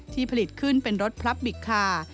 ผลิตขึ้นเป็นรถพลับบิกคา